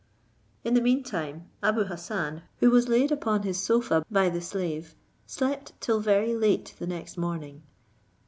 In the mean time, Abou Hassan, who was laid upon his sofa by the slave, slept till very late the next morning.